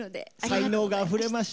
才能があふれました。